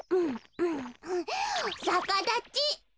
さかだち。